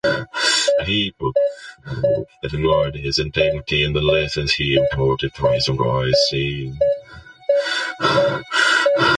People admired his integrity and the lessons he imparted through his wise sayings.